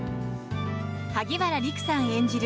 萩原利久さん演じる